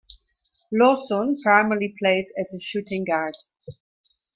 Lawson primarily plays as a shooting guard.